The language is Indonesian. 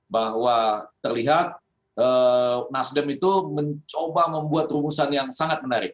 bahwa terlihat nasdem itu mencoba membuat rumusan yang sangat menarik